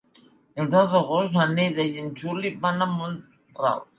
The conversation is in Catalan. El deu d'agost na Neida i en Juli van a Mont-ral.